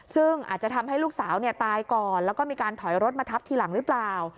ซึ่งอาจจะทำให้ลูกสาวตายก่อนแล้วก็มีการถอยรถมาทับทีหลังหรือเปล่า